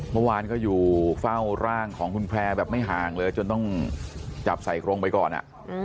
เมื่อวานก็อยู่เฝ้าร่างของคุณแพร่แบบไม่ห่างเลยจนต้องจับใส่กรงไปก่อนอ่ะ